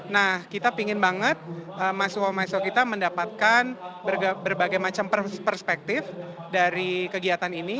nah kita pingin banget mahasiswa mahasiswa kita mendapatkan berbagai macam perspektif dari kegiatan ini